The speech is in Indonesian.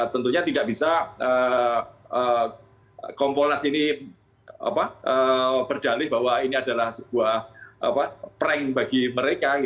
tentunya tidak bisa kompolnas ini berdalih bahwa ini adalah sebuah prank bagi mereka